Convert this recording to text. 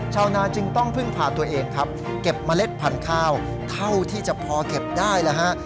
ชาวนาจึงต้องพึ่งพาตัวเองครับเก็บเมล็ดพันธุ์ข้าวเท่าที่จะพอเก็บได้แล้วฮะ